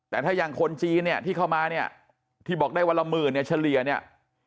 แต่ถ้าอย่างคนจีนเนี่ยที่เข้ามาเนี่ยที่บอกได้วันละหมื่นเนี่ยเฉลี่ยเนี่ย